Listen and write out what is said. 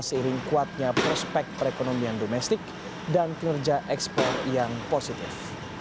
seiring kuatnya prospek perekonomian domestik dan kinerja ekspor yang positif